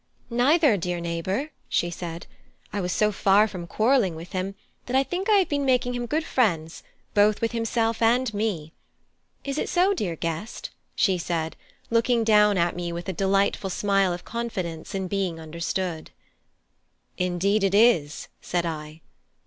"Neither, dear neighbour," she said. "I was so far from quarrelling with him that I think I have been making him good friends both with himself and me. Is it so, dear guest?" she said, looking down at me with a delightful smile of confidence in being understood. "Indeed it is," said I.